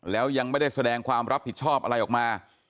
แล้วยังไม่ได้แสดงความรับผิดชอบอะไรออกมา